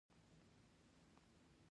که یوازې هغه د کیسې په پلاټ پوهیدای